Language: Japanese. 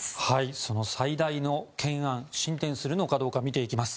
その最大の懸案進展するのかどうか見ていきます。